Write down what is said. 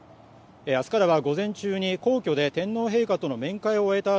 明日からは、午前中に皇居で天皇陛下などと面会した